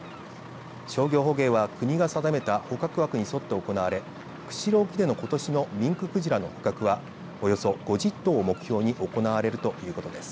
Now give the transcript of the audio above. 商業捕鯨は国が定めた捕獲枠に沿って行われ釧路港での、ことしのミンククジラの捕獲はおよそ５０頭を目標に行われるということです。